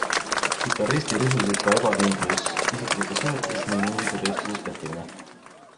Kitarristi rususid ka ebakindlus isiklikes suhetes ning muusikatööstuses pettumine.